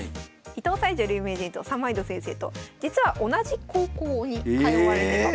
伊藤沙恵女流名人と三枚堂先生と実は同じ高校に通われてたと。